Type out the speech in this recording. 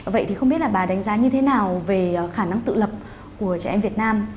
vậy thì không biết là bà đánh giá như thế nào về khả năng tự lập của trẻ em việt nam